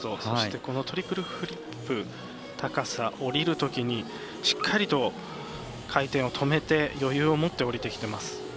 そして、トリプルフリップ高さ、降りるときにしっかりと回転を止めて余裕を持って降りてきてます。